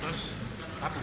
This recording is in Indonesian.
terus lagi ini berpuasa